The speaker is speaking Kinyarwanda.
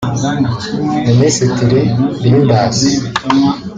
Minisitiri Rynders